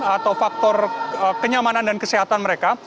atau faktor kenyamanan dan kesehatan mereka